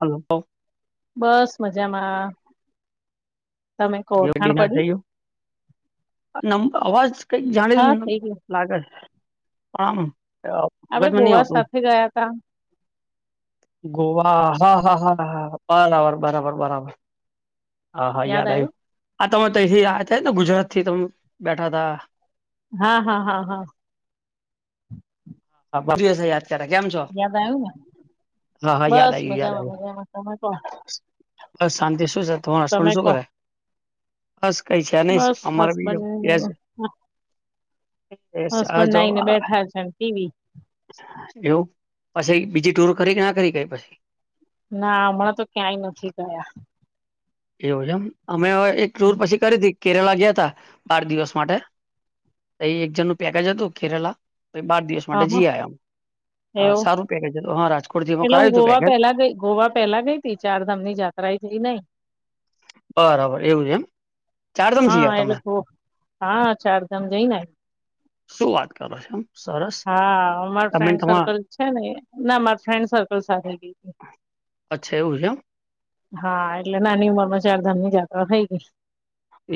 હલ્ો ક બસ મજામાં તમે કો જે ઓળખાણ ડિનર પડી થઈ ગયો અવાજ કઈક જાણી હા થઈ ગયું. લાગે આમ આપડે ભગજમાં નહ ગોવા આવતું સાથે ગયા તા ગોવા હા હા હા હા બરાબર બરાબર બરાબર હા હા યાદ આવ્યું આ તમે તથી આ થાય ને ગુજરાત થી તમે બેઠા તા હા હા હા હા હી અ્યારે કેમ છો યાદ આવ્યું ને. હા હા યાદ બસ આવ્યું યાદ મજામાં આવ્યું મજામાં તમે કો બ શાંતિ શું છે તમાર તમે હસબન્ડ શું કો. કરે બસ કઈ છે નહી બસ અમારે બી જો હસબેન્ડ હસબન્ડ આ આવીને બેઠા છે ટીવી એવું પછી બીજી ટુર કરી કે ના કરી કઈ પછી ના હમણાં તો ક્યાંય નથી ગયા એવું છેમ અમે એક ટુર પછી કરી હતીી કેરેલા ગયા ત બાર દિવસ માટે એ એક જણનુંું પેકેજ હતું કેરેલા તો બાર દિવસ હા માટે હા. જી આયામ એવું રાજકોટથી અમે પેલે હું કરાવ્યું હતું ગોવા પેકેજ પેલા ગઈ ગોવા પેલા ગઈ ચાર ધામ ની જાયાત્રા એ થઈ નઈ બરાબર એવું છે એમ ચારધામ જઈ હા આયા તમે એટલે હા ચારધામ જઈને શું વાત કરો છે એમ સરસ હા અમાર તમે ન ફ્રેન્ડ તમાર સર્કલ છે ને ના માર ફ્રેન્ડ સર્કલ સાથે ગય અચ્છ એવું છેમ હા એટલે નાની ઉંમર માં ચાર ધામ ની જાયાત્રા થઈ ગઈ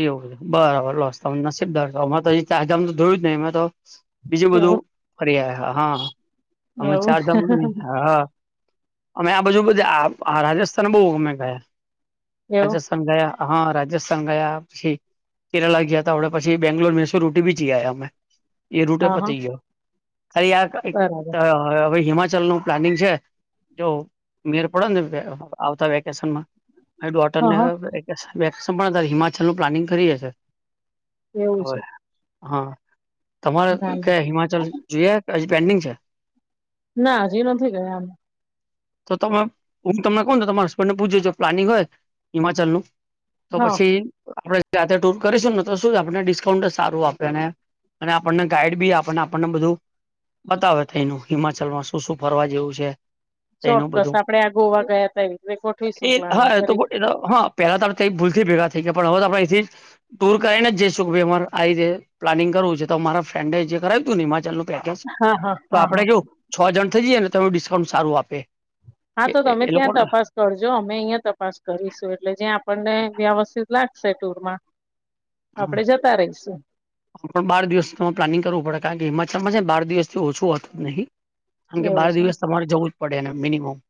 એવું બરાબર લોસ નસીબદાર તો તજ જોયું જ નહી મેં તો બીજું એવું બધું ફરી આયા, હા, અમે એવું ચારધામુ નઈ, હા. અમે આ બાજુ બધે આ આ રાજસ્થાન બઉ અમે ગયા. રાજસ એવું સ્થન ગયા, હા, રાજસ્થાન ગયા પછી કેરેલા ગયા તા અવડે પછી બેંગલોર, મેસુર, ઉટી બી જી આયા અમે. એ રૂટય હા હા પતી ગયો, ખાલી આ એક બરાબર હવે હિમાચલનું પ્લાનિંગ છે જો મેર પડેને આવતા વેકેશનમાં, મારી હા ડોટરને હા એસ વેક હમણાં તાર હિમાચલનું પ્લાનિંગ કરીએ છીએ. એવું હોવે. છે હન, તમાર ના ના કયાં હિમાચલ જોઈ આયા કે હજી પેન્ડિંગ છે? ના, હજી નથી ગયા અમે. તો તમે હું તમને કઉ ન તો તમાર હસબન્ડને પૂછ જો જો પ્લાનિંગ હોય હિમાચલનું તો હા પછી આપડે જાતે ટુર કરીશું ને તો શું આપડને ડિસ્કાઉન્ટ સારું આપે ને અને આપડને ગાઈડ બી આપડને આપડને બધુ બતાવે તઈનું હિમાચલમાં શું શું ફરવા જેવું છે. તઈનું ચોક્કસ બધુ આપડે આ ગોવા એ ગયા ત એવી રીતે ગોઠવીશું એ હઅ પ્લાનિંગ એતો કરી એતો હઅ પહેલા તો આપડે તઈ ભૂલથી ભેગા થઈ ગયા પણ હવે તો આપડે અઈથી જ ટુર કરીને જઈશું કે ભઈ અમાર આ રીતે પ્લાનિંગ કરવું છે, તો મારા ફ્રેન્ડ જે કરાયું તું ન હિમાચલનું પેટર્સ હા હા તો હા આપડે હા કેવું છ જન થઈ જઈએને તો એનું ડિસ્કાઉન્ટ સારું આપે. હા, તો એ એ તમે એ ત્યાં લોકોને તપાસ કરજો અમે અહિયા તપાસ કરીશું એટલે જ્યાં આપણને વ્યવસ્થિત લાગશે ટુરમાં આપડે જતા રઈશું. પણ બાર દિવસનો પ્લાનિંગ કરવું પડે કારણ કે, હિમાચલમાં છે ને બાર દિવસથી ઓછું હોતું નહિ. કારણ કે બાર એવું છે દિવસ તમારે જવું જ પડે એને મિનિમમ.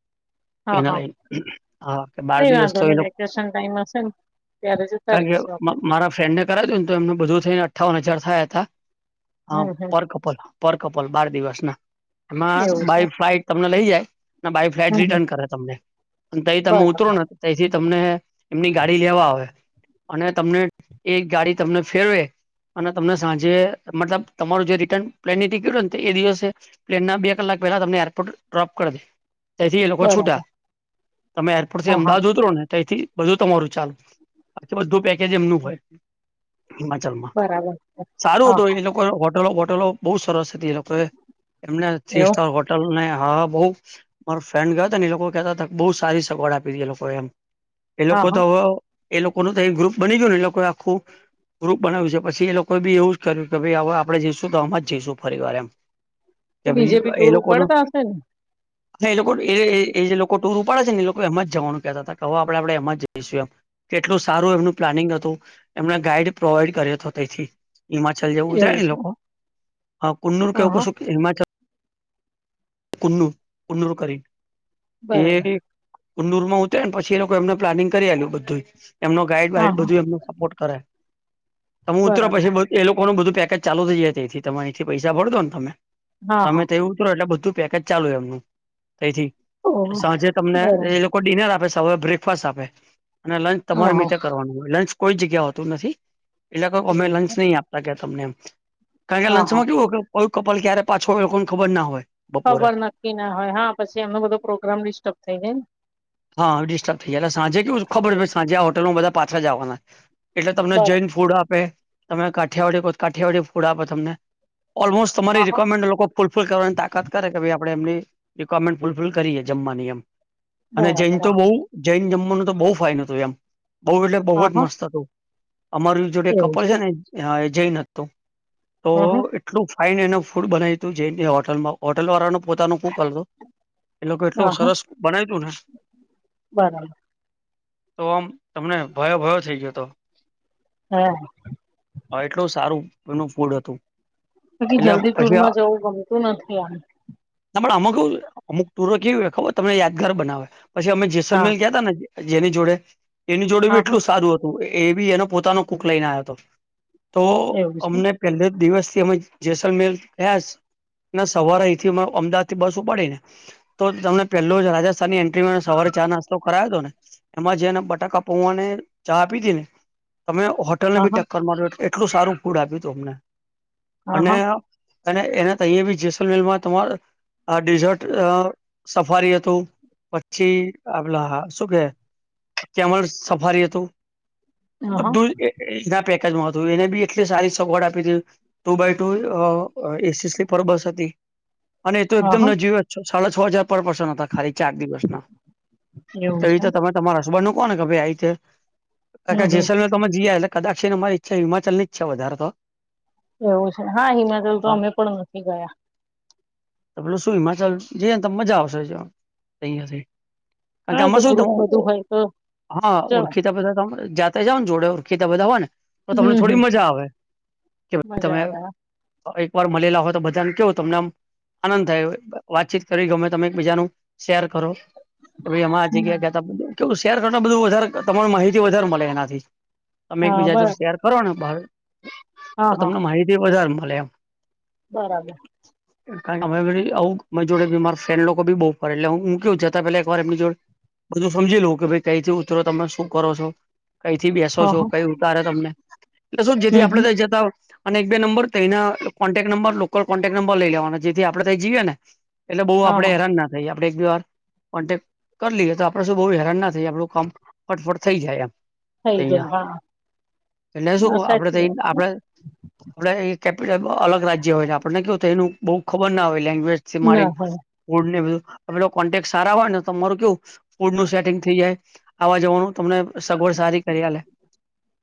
હા એને હા લઈન અ બાર કઈ દિવસ વાંધો તો નહી એનો વેકેશન ટાઈમ હશે ને ત્યારે જતા કારણ કે રહીશું આપડે મ-મારા ફ્રેન્ડને કરાયુ તુન તો એમને બધું થઈન અઠાવન હજાર થયા તા. અ હમ હમ પર કપ પર પર કપલ બાર દિવસના, એમાં એવું છે બાય ફ્લાઈટ તમને લઈ જાય ના બાય ફ્લાઇટ હમ હમ રિટર્ન કરે તમને. અન તઈ તમે બરાબર ઉતરો ને તઈથી તમને એમની ગાડી લેવા આવે અને તમને એક ગાડી તમને ફેરવે અને તમને સાંજે મતલબ તમારું જે રિટર્ન પ્લેનની ટિકિટ હોય ન તો એ દિવસે પ્લેનના બે કલાક પહેલા તમને એરપોર્ટ ડ્રોપ કર દે. તઈથી એ લોકો છૂટા, બરાબર તમે એરપોર્ટથી હા હા અમદાવાદ ઉતરોને તઈથી બધું તમારું ચાલુ, બાકી બધુ પેકેજ એમનું હોય હિમાચલમાં. બરાબર છે સારું હા તો એ હા લો લોકોએ હોટલો-બોટલો બઉ સરસ હતી, એ લોકો એમને થ્રી એવું સ્ટાર હો ટલ ને હા બઉ મારો ફ્રેન્ડ ગયો તોન એ લોકો કેતા તા ક બઉ સારી સગવડ આપી તી એ લોકો એમ. એ હા લોકો હા તો અવ એ લોકોનું તઈ ગ્રુપ બની ગયુ એ લોકોએ આખું ગ્રુપ બનાવ્યું છે, પછી એ લોકોએ બી એવું જ કર્યું કે ભઈ અવ આપડે જઈશું તો આમાં જ જઈશું ફરીવાર એમ. તો કે બીજેપી ટૂર ઉપડતા હશે ને? ના, એ લોકોનું એ એ એ જે લોકો ટૂર ઉપાડે છે ન એ લોકો એમાં જ જવાનું કેતા તા, કે અવ આપડે આપડે એમાં જઈશું એમ. કેટલું સારું એમનું પ્લાનિંગ હતું. એમને ગાઈડ પ્રોવાઈડ કર્યો તો તઈથી. હિમાચલ જેવું છે એ લોકો, હઅ કુન્નુર કે હા એવું હા કશું ક હિમાચલ કુનુ કુન્નુર કરીન, એ બરાબર કન્નુરમાં ઉતરે ન પછી એ લોકો એમને પ્લાનિંગ કરી આલયુ બધુય. એમનો હા ગાઈડ-બાઈડ હા બધુ એમનો સપોર્ટ કરે. તમ ઉતરો બરાબર પછી બ એ લોકોનું બધું પેકેજ ચાલુ થઈ જાય તઈથી તમે અઈથી પૈસા ભરદો ન તમે, હા હા તમે તઈ ઉતરો એટલે બધુ પેકેજ ચાલુ એમનુંથી ઓહ સાંજે તમને બરાબર એ કોઈ ડિનર આપે, સવાર બ્રેકફાસ્ટ આપે અને લંચ તમાર હા એમ હા રીતે કરવાનું હોય. લંચ કોઈ જગ્યાએ હોતું નથી, એટલે કઉ અમે એવું છે લંચ નઈ આપતા કે તમને એમ. કારણ કે હા હા લંચમાં કેવું કે કયું કપલ ક્યારે પાછું આવે એ લોકોન ખબર ના હોય. બપોરે ખબર નક્કી ના હોય હા પછી એમનો બધો પ્રોગ્રામ ડિસ્ટર્બ થઈ જાય એમ હા ડિસ્ટર્બ થઈાય એટલે સાંજે કેવું ખબર સાંજે આ હોટલમાંધા પાછા આવાના એટલે તમને બરાબર જઈન ફૂડ આપે તમે કાઠિયાવાડી કાઠિયાવાડી ફૂડ આપે તમને ઓલમોસ્ટ તમારી હા હા રિક્વાયરમેન્ટ લોકો ફૂલફિલ કરવાની તાકાત કરે કે ભાઈ આપણે એમની રિક્વાયરમેન્ટ ફુલફિલ કરીએ જમવાની એમ. અને જૈન બરાબર તો બહ જૈન જમવાનો તો બહુ ફાયદો હતોું એમ બઉુ એટલે બહુ હા જ હા મસ્ત હતું. અમારું જોડ કપલ છે ને એ જઈન હતું તો હા હા એટલું ફાાઈન એનું ફૂડ બનાવ્યું તું જઈને હોટલમાં હોટલ વાળા ન પોતાનો કુક હતો. એ લોકો એટલું હા હા સરસ બનાય તું ને બરાબર. તો આમ તમને ભયો ભયો થઈ ગયો હતો. હા. હ એટલું સારું એનું ફૂડ હતું. પકી એટલે જલ્દી પછી ટુરમાં જવું ગમતું નથી આ અમુક અમુક ટુરો કેવી હો ખબર તમને યાદગાર બનાવે પછી અમે જઈ હા સલમેન કયા ત ને જેની જોડે એની જોડે હા બી હા એટલું સારું હતું. એ બી એનો પોતાનો કુક લઈને આવ્યો હતો તો એવું છે અમને પહેલે દિવસ થી અમે જેસલમેર ગયા છે. સવારે અહીથી અમદાવાદથી બસ ઉપાડી ને તો તમને પેલોજ રાજસ્થાની. તે મને સવારે ચા નાસ્તો કરાયો હતો ને. એમાં જેને બટાકા પૌવાને ચા આપી હતી ને તમે હોટેલ ને હા બી હા ટક્કર માર્યો. એટલું સારું ફૂડ આપ્યું તું અમને હા અને. હા અને એને અહી બી જેસલમેલમાં તમાર ડેઝર્ટ સફારી હતું. પછી આપલા હા શું કે કેમળ સફારી હતું. હા બધું એના પેકેજમાં હતું એને બી એટલી સારી સગવડ આપી હતી. Two by two AC sleeper bus હતી. અને એ તો હા એકદમ હા નજીવ સાડા છ હજાર પર પર્સન હતા ખાલી ચાર દિવસના. એવું તોવી છે રીતે તમે તમારે હસબન મૂક ને કે ભાઈ આ હમ રીતે હમ જેસલ બલ. તમે જયા એટ કદાચી મારી ઈચછ હિચલ નીઈચ્છ વધારે તો. એવું છે હા હિમાચલ તો હા અમે પણ નથી ગયા. તો પેલો શું હિમાચલ જઈને તો મજા આવશે અહંયા થી. હા એ તો ગામમાં શું ગ્રુપ થયું બધું હોય તો હા જવાય ઓડખી. બધા તમે જાતા જાવ ને જોડે કેટતા બધા હોય ને. તો તમને હમ હમ થોડી મજા આવે કે ભ તમે. મજા આવે હા હ એક વાર મળેલા હોય તો બધાને કેવું તમને આમ. આનંદ થાય વાતચીત કરી ગમે તમે એક બીજાનું શેર કરો. ભાઈ એમાં આ જગ્યા હમ. ગયાતા કેવું શેર કર બધું વધારે તમાર માહિતી વધારે મળે એનાથી. તમે એક હા બીજા જો બરાબર શેર કરો ને ભાવ હા તો હા તમને માહિતી વધારે મળે એમ. બરાબર. કાય ખબર ફડી આવુ મે જોડે મા ફ્રેન લોકો બી બઉુ ફરેટલે હ હું કે. પલા એક વાર એમની જોડ બધું સમજી લઉ કે ભાઈ કઈથી ઉતરો તમે શું કરો છો. કઈ થી બેસો હા છો હા કઈ ઉતારે તમને એટલે શું જેથી હમ આપડે હમ ત જતા હો. અને એક બે નંબર તના contact number local contact number લઈ લેવાનો જેથી આપડણે ત્યાં જીએ ને. એટલે બહુ હા આપડે હા હેરાન ના થાય આપે એક બે વાર. કોન્ટેક કરી લએ તો આપડે શું બહ હેરાન ના થાયએ આપણું કામ ફટફટ થઈ જાય એમ. થઈ તે જાય અયા હા એટલે હા શું આપડે સાચી તો વાત છે આપડે. આપડે એ કેપિટલ અલગ રાજ્ય હોય ને આપને કવુંય એનું બહુ ખબર ના હોય લેંગ્વેજથી ના માડીને. હોય ફૂડને બધું અમે કોન્ટેક સારા હોય ને તમારું કેવું ફૂડ નું સેટિંગ થઈ જાય. આવવા જવાનું તમને સગવડ સારી કરી લે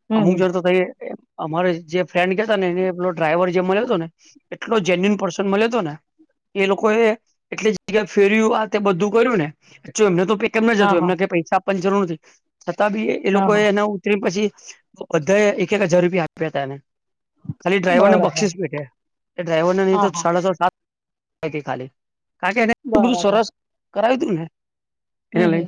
હમ અમુક હમ જોડ તો થઈ. અમારે જે. ફ્રેન્ડ કેતા ને એ પલો ડ્રાઈવર જે મળ્યો હતો ને એટલો જેન્યુન પર્સન મળ્યો હતો ને. એ લોકો એ એટલી જગ્યા ફેર્યું આ તે બધું કર્યું ને એમને તો. કેમ ન હા જતું હા એમને કે પૈસા આપવાની જરૂર નથી છતાં બી એ હા લોકો હા એના. પછી બધાએ એક એક હજાર રૂપિયા આપ્યા હતા એને. ખાલી ડ્રાઈવર ને બરાબર બક્ષીસ બેઠે એ ડ્રાઈવરને નહી હા તો હા સાડા છ સાત. ખાલી કાર કે એનેું બધું બરાબર સરસ કરાવ્યું તુંને. એને હમ લઈ હમ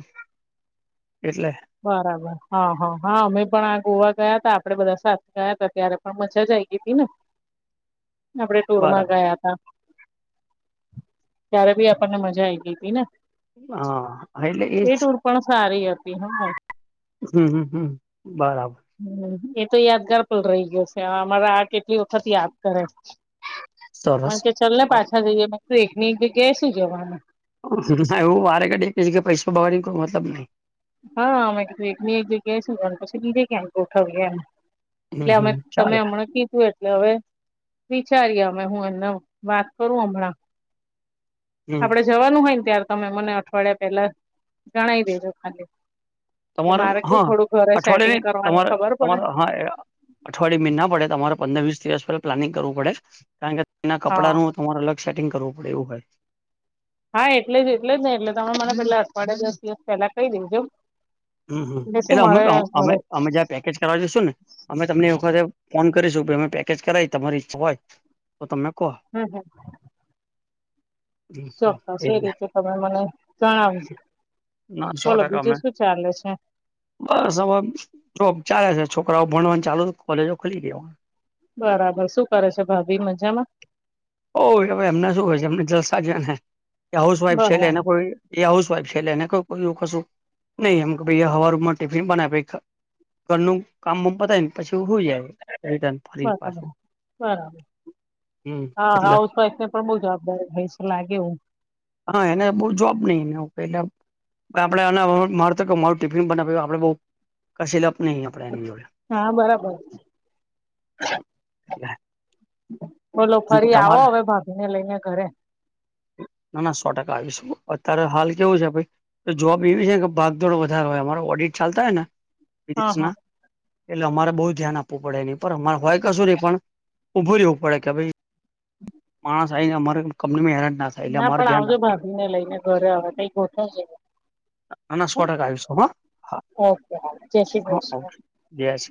એટલે. બરાબર હા હા હા અમે પણ આ ગોવા ગયા ત આપડે બધા સા ગયા હતા ત્યારે. પણ મજા આઈ ગઈ હતીી ને આપડે ટુર માં બરાબર ગયા તા. ત્યારે બી આપણને મજા આઈ ગઈ હતીી ને. હા એટલે એજ એ ટુર પણ સારી આપતીી હ. હમ હ બરાબર. હ એ તો યાદગાર પણ રહી ગયો છે અમારે આ કેટલી વખત યાદ. કરે મ સરસ કે ચલ્ ને પાછા જઈએ તું એકની જ્યા છે જવાનું. એવું વારે ક ડે છે કે પૈસો ભગવાની કોઈ મતલબ નહી. હા મે કધું એક એક જ્યા પછી દીજે કેમ ઉઠાવ. એટલે હમ અમે હમ તમે ચાલે હમણાં કીધું એ. એટલે હવે વિચારીએ અમે હું એમને વાત કરું હમણાં હમ આપડ જવાનું હોય ને ત્યારે તમે મને અઠવાડિયા પેલા ગણાવ દેજો ખાલી. એટલે તમાર મારે કેવું હા થોડું ઘરે સેટિંગ અઠવાડયની કરવાની તમારે ખબર પડે તમાર હા એ અઠવાડિય ના પડે તમારે પંદર વીસ દિવસ પહેલા પ્લાનિંગ કરવું પડે કારણ કે તેના હા કપડાંનું તમારે અલગ સેિંગ કરવું પડે એવું હોય હા એટલે જ એટલે જ નહી એટલે તમે મને પેલા અઠવાડિયા દિવસ પેલા કઈ દેજોમ હમ હમ એટલે અમે અમે ઘરે અમે જ પેકેજ કરાવજ શું ને અમે તમને એક વખતે ફોન કરીશું અમે પેકેજ કરાવી તમારી ઈચ્છા હોય પો તમે કો હમ હમ [unintelligible] હમ, હમ. ચોક્કસ એ રીતના રીતે તમે મને જણાવીજ ના સો બોલો ટકા અમે બીજું સુધી ચાલે છે બસ હવે જોબ ચાલે છે છોકરાઓ ભણવાની ચાલુ કોલેજો ખુલી દેવા બરાબર શું કરે છે ભાભી મજામાં હોવે એમના શું હોય છે એમને જલ સાજવા ને હાઉસ વાઈફ છે એટલે એને બરાબર કોઈ એ હાઉસ વાાઈફ છે એને ક એું કશું નહી એમાઈ હવા રૂપમાં ટિફિન બનાવે ઘરનું કામ પતાય ને પછી હોય જાય રટન બરાબર બરાબર હમ હા એટલે હાઉસ વાઈફ ને પણ બહુ જવાબદારી હોય છે લાગે એવું હા એને બહ જોબ નઈને એટલે આપડે આના મારુંિફિન બનાવ્યું આપડ બહુ કશે લપ નહી આપણે એની જોડે હા બરાબર એટલે બોલો ફરી આવો તમારે હવે ભાભી ને લઈને ઘરે ના ના સો ટકા આવીશું અત્યારે હાલ કેવું છે ભાઈ તો જવાબ એવી છે કે ભાગદોડો વધારેો હોય અમારો ઓડિટ ચાલતા હોય ને હા વિદેશના હા એટલે અમારે બહુ ધ્યાન આપવું પડે એની પર અમારે હોય કસોરી પણ ઉઊભું રવું પડે કે ભાઈ [unintelligible] માણસ [unintelligible] સારે કંનીમે હરાના ના પણ આવજો ભાભી ને લઈને ઘરે હ કઈ ગોઠવજે ના ના સો ટકા આવીશું હા હા ઓકે જય શ્રી હા ક ઓકે જય શ્રી